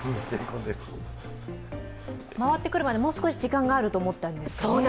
回ってくるまでもう少し時間があると思ったんですね。